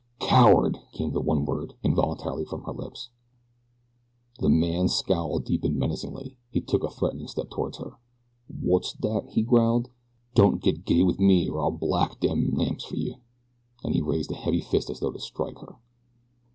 "Coward!" came the one word, involuntarily, from her lips. The man's scowl deepened menacingly. He took a threatening step toward her. "Wot's dat?" he growled. "Don't get gay wit me, or I'll black dem lamps fer yeh," and he raised a heavy fist as though to strike her.